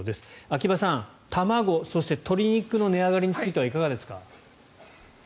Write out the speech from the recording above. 秋葉さん、卵、そして鶏肉の値上がりについてはいかがですか？